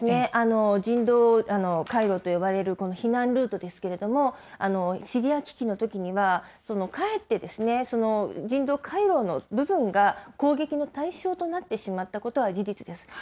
人道回廊と呼ばれる避難ルートですけれども、シリア危機のときには、かえって人道回廊の部分が攻撃の対象となってしまったことは事実です。